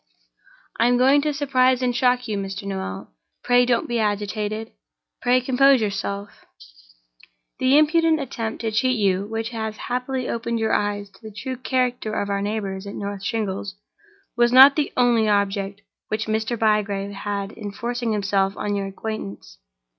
"I am going to surprise and shock you, Mr. Noel. Pray don't be agitated! pray compose yourself! "The impudent attempt to cheat you, which has happily opened your eyes to the true character of our neighbors at North Shingles, was not the only object which Mr. Bygrave had in forcing himself on your acquaintance.